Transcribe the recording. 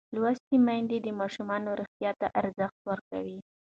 لوستې میندې د ماشوم روغتیا ته ارزښت ورکوي.